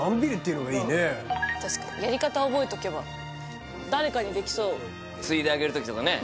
確かにやり方覚えとけば誰かにできそう注いであげる時とかね